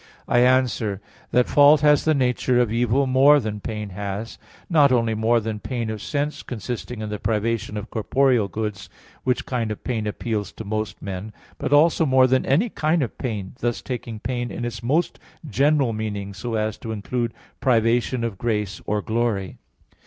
I answer that, Fault has the nature of evil more than pain has; not only more than pain of sense, consisting in the privation of corporeal goods, which kind of pain appeals to most men; but also more than any kind of pain, thus taking pain in its most general meaning, so as to include privation of grace or glory.